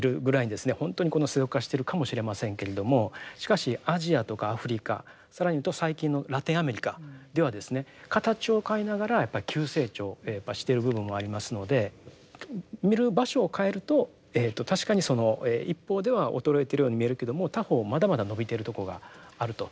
本当にこの世俗化しているかもしれませんけれどもしかしアジアとかアフリカ更に言うと最近のラテンアメリカではですね形を変えながらやっぱり急成長をしている部分もありますので見る場所を変えると確かにその一方では衰えてるように見えるけれども他方まだまだ伸びてるところがあると。